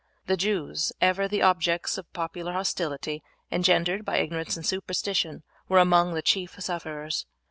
The Jews, ever the objects of popular hostility, engendered by ignorance and superstition, were among the chief sufferers.